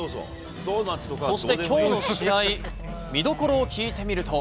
そして、きょうの試合、見どころを聞いてみると。